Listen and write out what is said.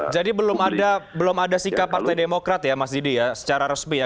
jadi belum ada sikap partai demokrat ya mas didi ya secara resmi ya